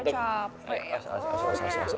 kasian papa capek